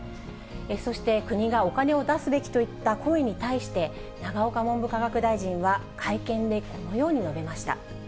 そして、国がお金を出すべきといった声に対して、永岡文部科学大臣は会見でこのように述べました。